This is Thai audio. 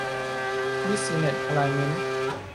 บิสซิเนสอะไลเม้นท์